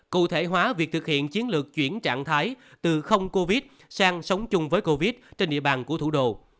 cụ thể hóa việc thực hiện chiến lược chuyển trạng thái từ không covid sang sống chung với covid trên địa bàn của thủ đô